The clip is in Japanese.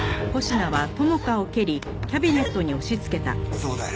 そうだよ